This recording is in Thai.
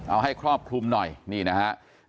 เอาให้ครอบคลุมหน่อยนี่นะครับ